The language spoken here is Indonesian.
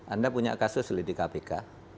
anda punya kasus di kpk